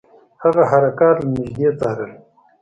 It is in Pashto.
هغه حرکات له نیژدې څارل.